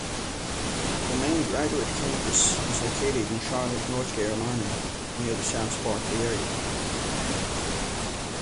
The main graduate campus is located in Charlotte, North Carolina near the SouthPark area.